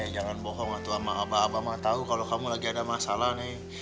jangan bohong atau sama abah abah tahu kalau kamu lagi ada masalah nih